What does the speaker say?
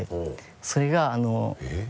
それがあのえぇ？